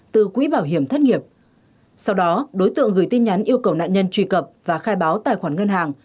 từ quỹ bảo hiểm thất nghiệp sau đó đối tượng gửi tin nhắn yêu cầu nạn nhân truy cập và khai báo tài khoản ngân hàng